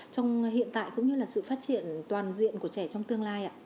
trong hiện tại cũng như sự phát triển toàn diện của trẻ trong tương lai